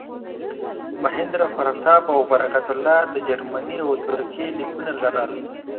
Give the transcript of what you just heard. مهیندراپراتاپ او برکت الله د جرمني او ترکیې لیکونه لرل.